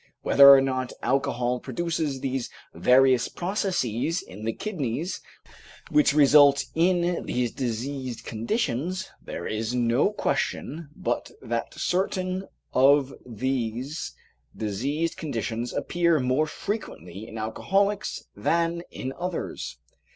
Whether or not alcohol produces these various processes in the kidneys which result in these diseased conditions, there is no question but that certain of these diseased conditions appear more frequently in alcoholics than in others.